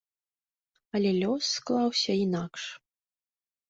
Але лёс склаўся інакш.